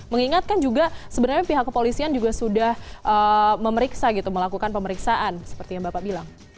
mengingatkan juga sebenarnya pihak kepolisian juga sudah memeriksa gitu melakukan pemeriksaan seperti yang bapak bilang